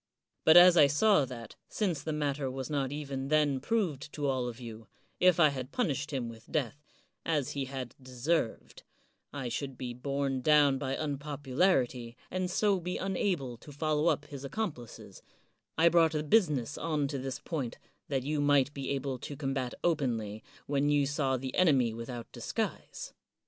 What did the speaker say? But as I saw that, since the matter was not even then proved to all of you, if I had punished him with death, as he had deserved, I should be borne down by unpopularity, and so be unable to follow up his accomplices, I brought the business on to this point that you might be able to combat openly when you saw the enemy without dis guise.